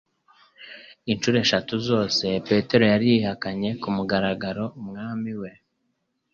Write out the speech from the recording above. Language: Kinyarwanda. Inshuro eshatu zose Petero yari yihakanye ku mngaragaro Umwami we.